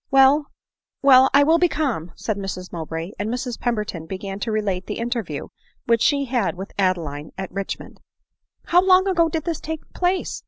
" Well — well — I will be calm," said Mrs Mowbray ; and Mrs Pemberton began to relate the interview which she had with Adeline at Richmond. " How long ago did this take place